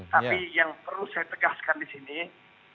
tapi yang perlu saya tegaskan di sini